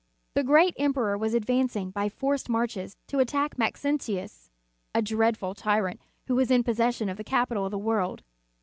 The great emperor was advancing by forced marches to attack Maxentius, a dreadful tyrant who was in possession of the capital of the world.